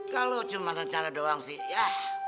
kalau cuma rencana doang sih ya